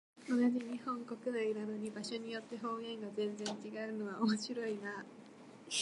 同じ日本国内なのに、場所によって方言が全然違うのは面白いなあ。